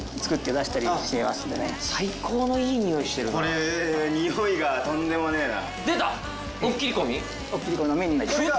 これ匂いがとんでもねえな。